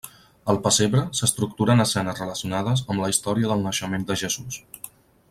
El pessebre s’estructura en escenes relacionades amb la història del naixement de Jesús.